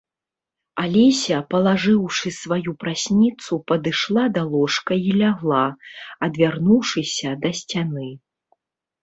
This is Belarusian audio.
Алеся, палажыўшы сваю прасніцу, падышла да ложка і лягла, адвярнуўшыся да сцяны.